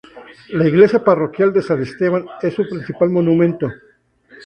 La iglesia parroquial de San Esteban es su principal monumento.